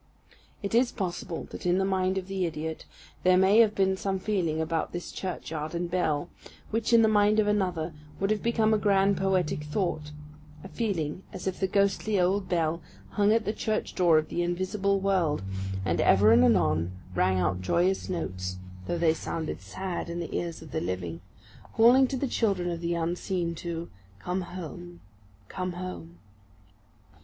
It is possible that in the mind of the idiot there may have been some feeling about this churchyard and bell, which, in the mind of another, would have become a grand poetic thought; a feeling as if the ghostly old bell hung at the church door of the invisible world, and ever and anon rung out joyous notes (though they sounded sad in the ears of the living), calling to the children of the unseen to come home, come home.